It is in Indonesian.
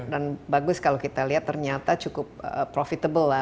dan bagus kalau kita lihat ternyata cukup profitable lah